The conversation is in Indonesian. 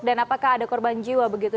dan apakah ada korban jiwa begitu